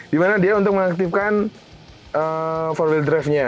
dimana dia untuk mengaktifkan for will drive nya